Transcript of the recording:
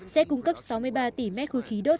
sẽ cung cấp sáu mươi ba tỷ m ba khí đốt